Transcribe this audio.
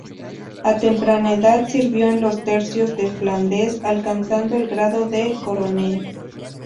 A temprana edad sirvió en los tercios de Flandes, alcanzando el grado de coronel.